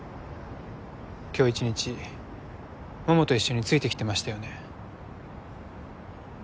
今日一日桃と一緒についてきてましたよね